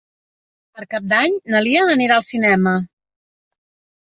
Per Cap d'Any na Lia anirà al cinema.